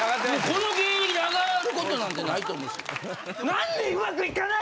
この芸歴であがることなんて無いと思うし。